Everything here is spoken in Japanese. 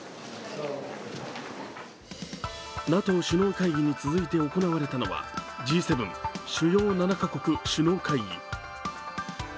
ＮＡＴＯ首脳会議についで行われたのはＧ７＝主要７カ国首脳会議。